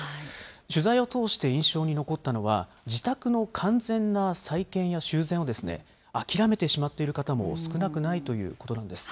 取材を通して印象に残ったのは、自宅の完全な再建や修繕を諦めてしまっている方も少なくないということなんです。